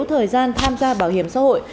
thời gian tham gia bảo hiểm xã hội